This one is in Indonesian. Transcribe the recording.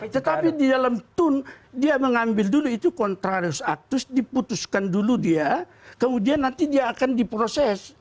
tetapi di dalam tun dia mengambil dulu itu contradius actus diputuskan dulu dia kemudian nanti dia akan diproses